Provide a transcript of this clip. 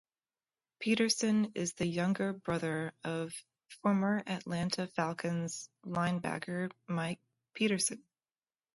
Peterson is the younger brother of former Atlanta Falcons linebacker Mike Peterson.